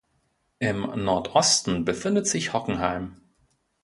Im Nordosten befindet sich Hockenheim.